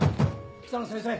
北野先生？